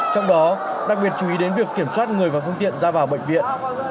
trong đó đặc biệt chú ý đến việc kiểm soát người và phương tiện ra vào bệnh viện